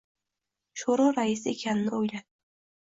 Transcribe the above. Sho‘ro raisi ekanini o‘yladi.